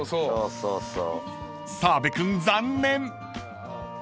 ［澤部君残念！］